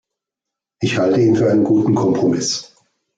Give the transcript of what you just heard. Ich halte ihn für einen guten Kompromiss.